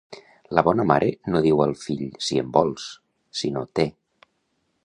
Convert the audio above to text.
La bona mare no diu al fill «si en vols», sinó «té».